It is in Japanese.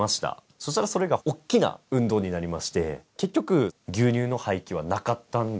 そしたらそれが大きな運動になりまして結局牛乳の廃棄はなかったんですよ。